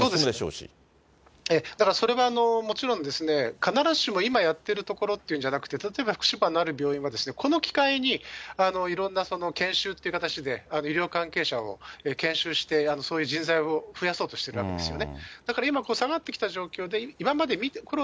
だからそれはもちろんですね、必ずしも今やってるところっていうんじゃなくて、例えば、福島のある病院は、この機会にいろんな研修っていう形で、医療関係者を研修して、そういう人材を増やそうとしているんですよね。